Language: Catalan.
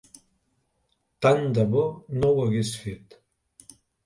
Tant de bo no ho hagués fet!